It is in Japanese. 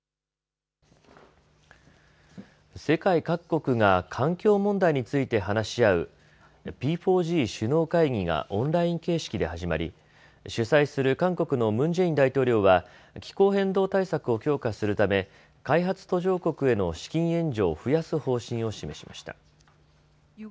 世界各国が環境問題について話し合う、Ｐ４Ｇ首脳会議がオンライン形式で始まり主催する韓国のムン・ジェイン大統領は気候変動対策を強化するため開発途上国への資金援助を増やす方針を示しました。